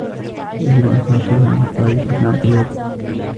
يجب أن تركز على الطريق أثناء القيادة.